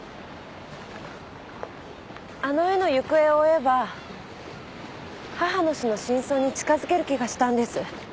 あの絵の行方を追えば母の死の真相に近付ける気がしたんです。